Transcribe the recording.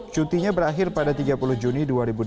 cutinya berakhir pada tiga puluh juni dua ribu dua puluh